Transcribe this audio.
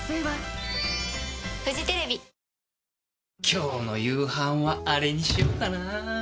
今日の夕飯はアレにしようかな。